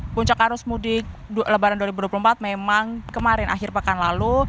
puncak arus mudik lebaran dua ribu dua puluh empat memang kemarin akhir pekan lalu